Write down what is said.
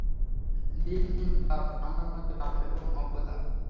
দীন হীন ভাব আমার মতে পাপ এবং অজ্ঞতা।